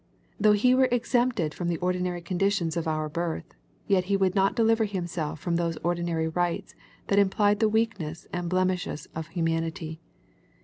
Though he were exempted from the ordinary conditions of our birth, yet he would not deliver himself from those ordinary rites that implied the weakness and blemishes of humanity.